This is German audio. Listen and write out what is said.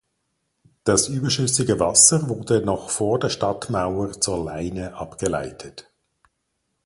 Das überschüssige Wasser wurde noch vor der Stadtmauer zur Leine abgeleitet.